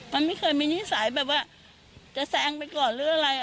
มันไม่เคยมีนิสัยแบบว่าจะแซงไปก่อนหรืออะไร